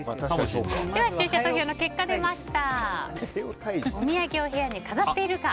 視聴者投票の結果出ました。